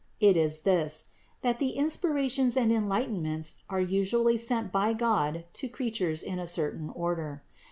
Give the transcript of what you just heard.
It is this : that the inspirations and enlightenments are usually sent by God to creatures in a certain order.